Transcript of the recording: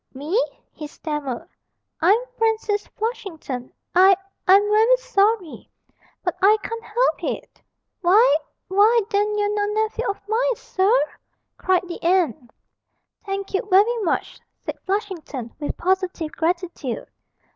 'Me?' he stammered, 'I'm Francis Flushington. I I'm very sorry but I can't help it!' 'Why why then you're no nephew of mine, sir!' cried the aunt. 'Thank you very much,' said Flushington, with positive gratitude.